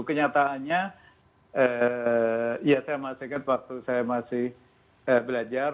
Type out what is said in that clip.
kenyataannya ya saya masih ingat waktu saya masih belajar